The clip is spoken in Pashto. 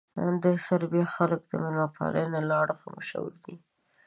د سربیا خلک د مېلمه پالنې له اړخه مشهور دي.